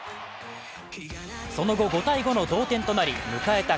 その後、５−５の同点となり迎えた